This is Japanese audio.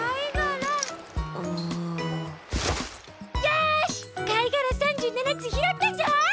よしかいがら３７つひろったぞ！